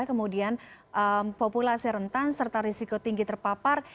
kemudian populasi rentan serta risiko tinggi terpapar